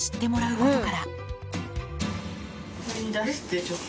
これに出して、ちょっと。